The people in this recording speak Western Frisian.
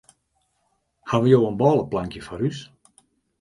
Hawwe jo in bôleplankje foar ús?